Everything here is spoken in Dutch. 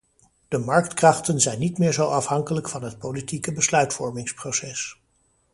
De marktkrachten zijn niet meer zo afhankelijk van het politieke besluitvormingsproces.